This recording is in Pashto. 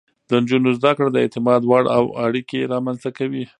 د نجونو زده کړه د اعتماد وړ اړيکې رامنځته کوي.